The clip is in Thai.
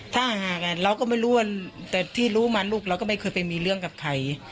ถ้าหากเราก็ไม่รู้ว่าแต่ที่รู้มาลูกเราก็ไม่เคยไปมีเรื่องกับใคร